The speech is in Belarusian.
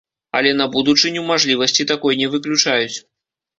Але на будучыню мажлівасці такой не выключаюць.